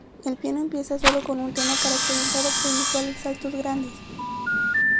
El piano empieza sólo con un tema caracterizado por inusuales saltos grandes.